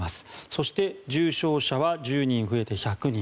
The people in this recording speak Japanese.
そして重症者は１０人増えて１００人。